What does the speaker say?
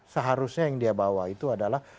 seharusnya yang dia bawa itu adalah